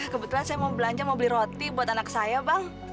kebetulan saya mau belanja mau beli roti buat anak saya bang